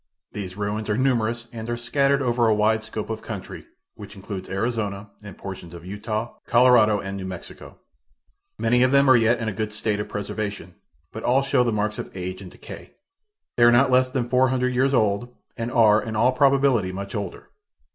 These ruins are numerous and are scattered over a wide scope of country, which includes Arizona and portions of Utah, Colorado and New Mexico. Many of them are yet in a good state of preservation, but all show the marks of age and decay. They are not less than four hundred years old and are, in all probability, much older.